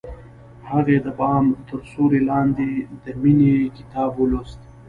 هغې د بام تر سیوري لاندې د مینې کتاب ولوست.